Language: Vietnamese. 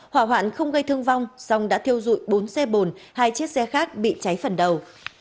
hỏa hoạn không gây thương vong song đã thiêu dụi bốn xe bồn hai chiếc xe khác bị cháy phần đầu